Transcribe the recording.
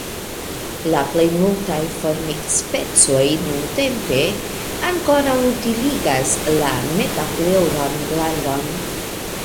La plej multaj formikspecoj nuntempe ankoraŭ utiligas la metapleŭran glandon.